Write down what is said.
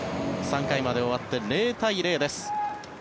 ３回まで終わって０対０です。